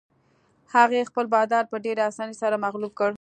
هغې خپل بادار په ډېرې اسانۍ سره مغلوب کړ.